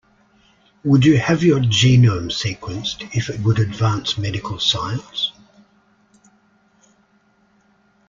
Would you have your genome sequenced if it would advance medical science?